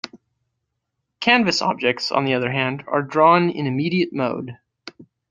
Canvas objects, on the other hand, are drawn in immediate mode.